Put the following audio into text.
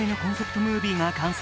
ムービーが完成。